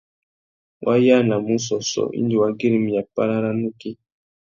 Wá yānamú ussôssô indi wa güirimiya párá râ nukí.